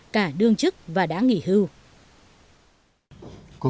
cả đương chức và đảng nghị hưu